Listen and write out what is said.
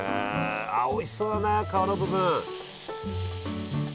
あおいしそうだな皮の部分！